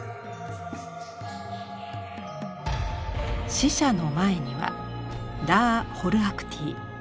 死者の前にはラー・ホルアクティ。